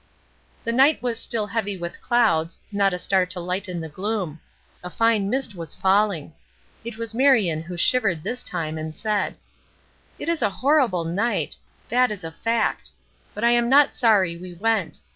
The night was still heavy with clouds, not a star to lighten the gloom; a fine mist was falling. It was Marion who shivered this time, and said: "It is a horrible night, that is a fact; but I am not sorry we went.